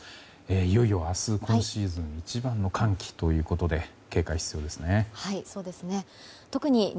いよいよ明日、今シーズン一番の寒気ということで警戒が必要ですね。